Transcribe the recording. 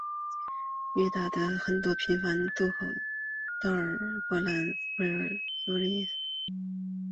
于斯塔德有很多频繁的渡口到丹麦的博恩霍尔姆和波兰的希维诺乌伊希切。